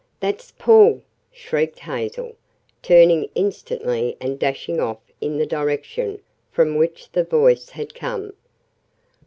"That's Paul!" shrieked Hazel, turning instantly and dashing off in the direction from which the voice had come.